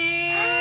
あ。